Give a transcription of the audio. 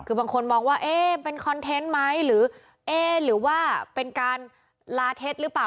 คือบางคนบอกว่าเอ๊ะเป็นคอนเทนต์มั้ยหรือว่าเป็นการลาเทสหรือเปล่า